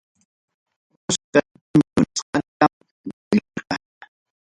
Óscar premio nisqatam llallirqa.